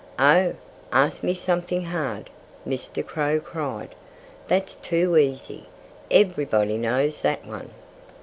"Oh, ask me something hard!" Mr. Crow cried. "That's too easy. Everybody knows that one."